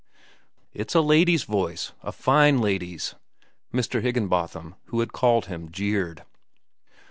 "It's a lady's voice, a fine lady's," Mr. Higginbotham, who had called him, jeered.